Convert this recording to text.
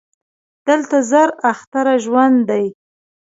دلته زر اختره ژوند دی